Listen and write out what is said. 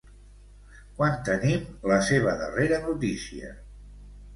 Quan tenim la seva darrere notícia?